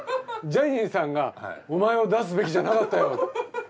ジャニーさんがお前を出すべきじゃなかったよ。